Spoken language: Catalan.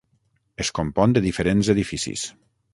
Es compon de diferents edificis.